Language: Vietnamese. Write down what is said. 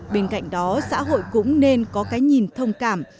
bên cạnh đó xã hội cũng nên có cái nhìn thông cảm